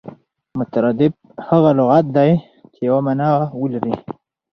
مترادف هغه لغت دئ، چي یوه مانا ولري.